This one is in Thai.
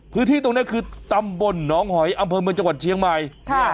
พื้นที่ตรงนี้คือตำบลหนองหอยอำเภอเมืองจังหวัดเชียงใหม่